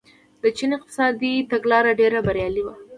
د چین اقتصادي تګلاره ډېره بریالۍ وه.